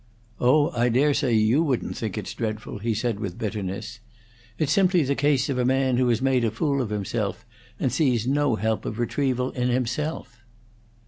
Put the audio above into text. "Oh, I dare say you wouldn't think it's dreadful," he said, with bitterness. "It's simply the case of a man who has made a fool of himself and sees no help of retrieval in himself."